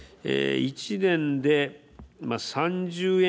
１年で３０円